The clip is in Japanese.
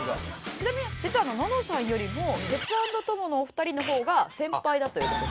ちなみに実はあのののさんよりもテツａｎｄトモのお二人の方が先輩だという事で。